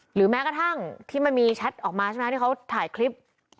หรือแม้กระทั่งที่มันมีแชทออกมาใช่ไหมที่เขาถ่ายคลิป